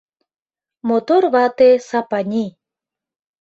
Мотор вате Сапани...